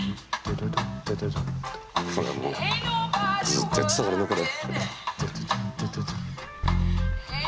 ずっとやってたからねこれ。